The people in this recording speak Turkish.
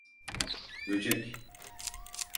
Böcek…